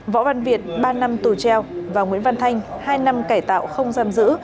võ văn việt ba năm tù treo và nguyễn văn thanh hai năm cải tạo không giam giữ